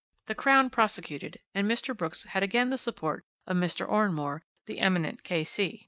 "The Crown prosecuted, and Mr. Brooks had again the support of Mr. Oranmore, the eminent K.C.